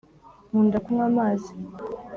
nkunda kunywa amazi